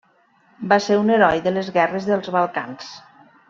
Va ser un heroi de les Guerres dels Balcans.